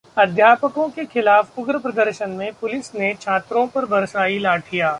अध्यापकों के खिलाफ उग्र प्रदर्शन में पुलिस ने छात्रों पर बरसाईं लाठियां